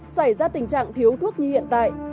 xảy ra tình trạng thiếu thuốc như hiện tại